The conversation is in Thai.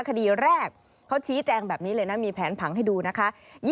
คดีแรกเขาชี้แจงแบบนี้เลยนะมีแผนผังให้ดูนะคะ